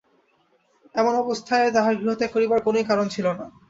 এমন অবস্থায় তাহার গৃহত্যাগ করিবার কোনোই কারণ ছিল না।